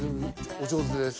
お上手です。